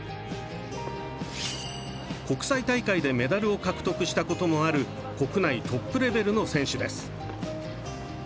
国際大会でメダルを獲得したこともある国内トップレベルの選手です。